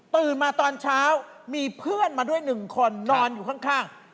มาตอนเช้ามีเพื่อนมาด้วย๑คนนอนอยู่ข้าง